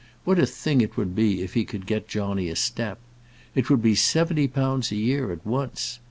"What a thing it would be if he could get Johnny a step. It would be seventy pounds a year at once.